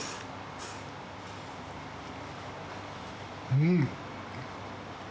うん。